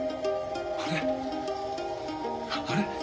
あれ？